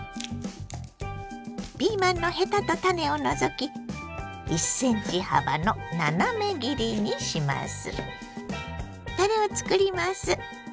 ピーマンのヘタと種を除き１ｃｍ幅の斜め切りにします。